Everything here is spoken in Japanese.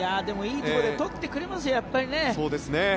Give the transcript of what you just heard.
でも、いいところで取ってくれますよね。